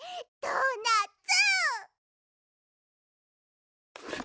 ドーナツ！